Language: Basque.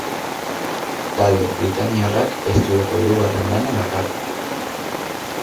Talde britainiarrak estudioko hirugarren lana dakar.